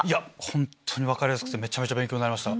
本当に分かりやすくてめちゃめちゃ勉強になりました。